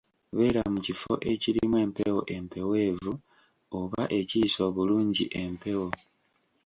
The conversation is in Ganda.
Beera mu kifo ekirimu empewo empeweevu oba ekiyisa obulungi empewo